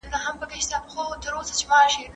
د بې ګټې ګیمونو پر ځای دا ګیم وکړئ.